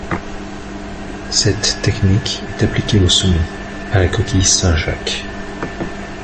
Cette technique est appliquée au saumon, à la coquille Saint-Jacques.